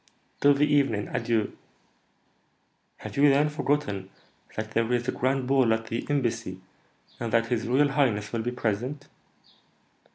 "Till the evening, adieu." "Have you, then, forgotten that there is a grand ball at the Embassy, and that his royal highness will be present?"